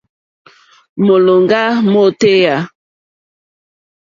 Mólòŋɡá mótéyà.